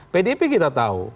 pdip kita tahu